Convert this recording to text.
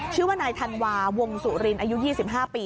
ชื่อว่านายธันวาวงสุรินอายุ๒๕ปี